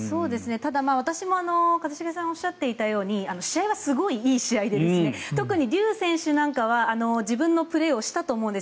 私も一茂さんがおっしゃっていたように試合はすごくいい試合で特にリュウ選手は自分のプレーをしたと思うんです。